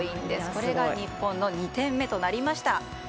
これが日本の２点目となりました。